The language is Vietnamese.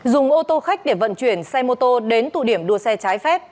dùng ô tô khách để vận chuyển xe mô tô đến tụ điểm đua xe trái phép